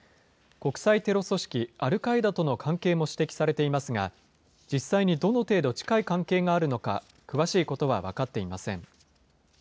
国際テロ組織アルカイダとの関係も指摘されていますが、実際にどの程度近い関係があるのか、詳しいことは分かっていません。